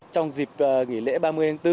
trong dịp nghỉ lễ ba mươi tháng bốn